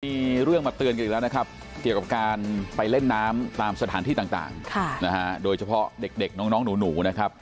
มีเรื่องมาเตือนกันอีกแล้วนะครับเกี่ยวกับการไปเล่นน้ำตามสถานที่ต่างโดยเฉพาะเด็กน้องหนูนะครับ